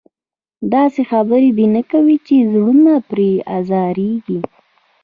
داسې خبره دې نه کوي چې زړونه پرې ازارېږي.